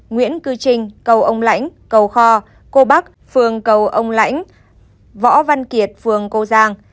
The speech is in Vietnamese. nguyễn cư trinh cầu ông lãnh cầu kho cô bắc phường cầu ông lãnh võ văn kiệt phường cô giang